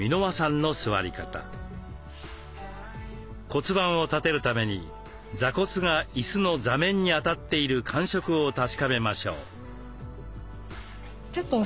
骨盤を立てるために座骨が椅子の座面に当たっている感触を確かめましょう。